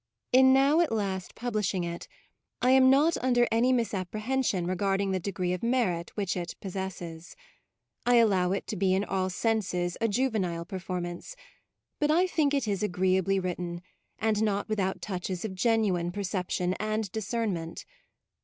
In now at last publishing it, I am not under any misapprehension re garding the degree of merit which it possesses. I allow it to be in all senses a juvenile performance ; but I think it is agreeably written, and not without touches of genuine percep tion and discernment.